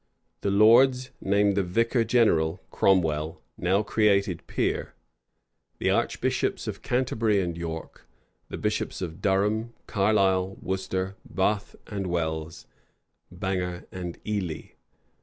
The lords named the vicar general, Cromwell, now created peer, the archbishops of Canterbury and York, the bishops of Durham, Carlisle, Worcester, Bath and Wells, Bangor, and Ely.